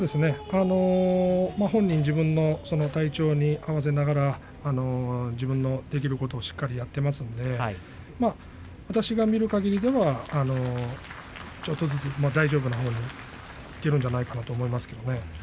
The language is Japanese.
本人も自分の体調に合わせながら自分のできることをしっかりやっていますので私が見るかぎりではちょっとずつ大丈夫なほうにいっているんじゃないかなと思いますけどね。